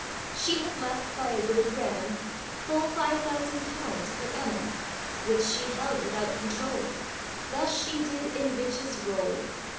She had left, by a good grannum, Full five thousand pounds per annum, Which she held without control; Thus she did in riches roll.